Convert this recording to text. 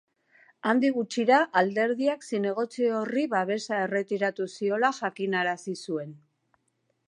Handik gutxira alderdiak zinegotzi horri babesa erretiratu ziola jakinarazi zuen.